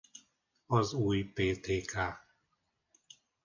Az új Ptk.